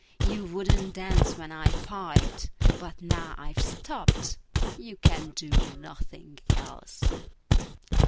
you wouldn't dance when I piped: but now I've stopped, you can do nothing else!"